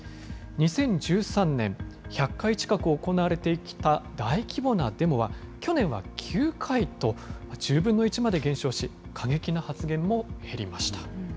２０１３年、１００回近く行われてきた大規模なデモは、去年は９回と、１０分の１までと減少し、過激な発言も減りました。